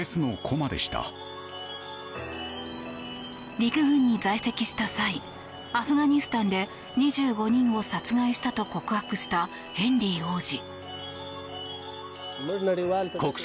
陸軍に在籍した際アフガニスタンで２５人を殺害したと告白したヘンリー王子。